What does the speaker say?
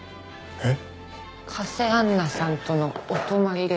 えっ？